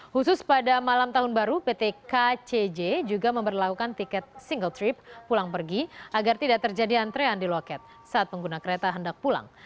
khusus pada malam tahun baru pt kcj juga memperlakukan tiket single trip pulang pergi agar tidak terjadi antrean di loket saat pengguna kereta hendak pulang